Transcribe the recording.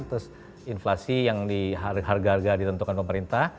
terus inflasi yang di harga harga ditentukan pemerintah